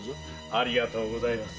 ありがとうございます。